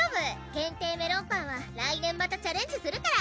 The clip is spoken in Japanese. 限定メロンパンは来年またチャレンジするから！